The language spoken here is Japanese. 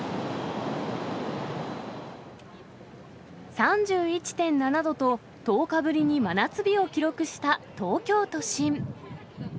３１．７度と、１０日ぶりに真夏日を記録した東京都心。